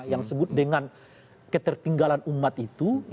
yang disebut dengan ketertinggalan umat itu